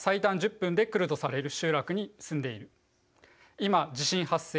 今地震発生。